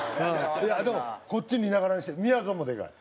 いやでもこっちに居ながらにしてみやぞんもでかい。